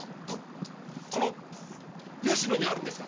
この吉野にあるんですか？